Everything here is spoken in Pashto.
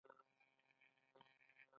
ایا همت لرئ؟